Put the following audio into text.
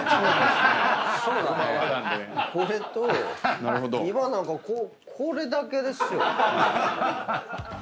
これと今なんかこれだけですよ。